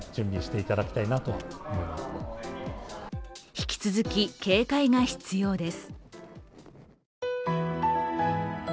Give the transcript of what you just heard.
引き続き警戒が必要です。